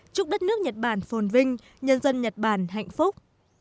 chúc đất nước nhật bản phồn vinh nhân dân nhật bản hạnh phúc